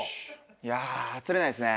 いやあ釣れないですね。